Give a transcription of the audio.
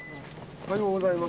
おはようございます。